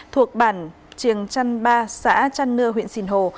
thuộc bản trường trăn ba xã trăn nơ huyện sìn hồ